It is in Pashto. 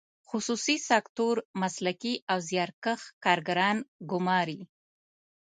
خصوصي سکتور مسلکي او زیارکښ کارګران ګماري.